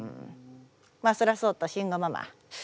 まあそれはそうと慎吾ママ。